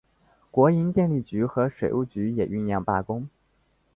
国营电力局和水务局也酝酿罢工。